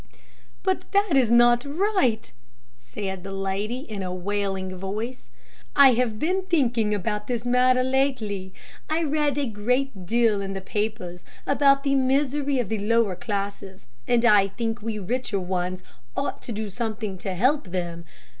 "But that is not right," said the lady in a wailing voice. "I have been thinking about this matter lately. I read a great deal in the papers about the misery of the lower classes, and I think we richer ones ought to do something to help them.